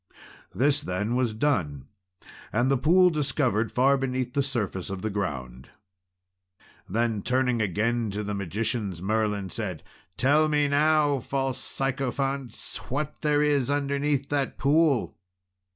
This then was done, and the pool discovered far beneath the surface of the ground. Then, turning again to the magicians, Merlin said, "Tell me now, false sycophants, what there is underneath that pool?"